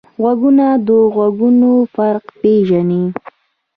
غوږونه د غږونو فرق پېژني